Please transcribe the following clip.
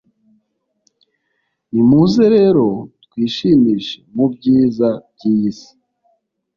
nimuze rero, twishimishe mu byiza by'iyi si